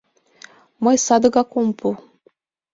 Мый садыгак ом пу!